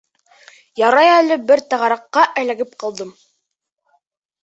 Ярай әле бер тағараҡҡа эләгеп ҡалдым.